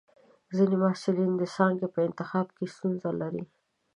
ځینې محصلین د څانګې په انتخاب کې ستونزه لري.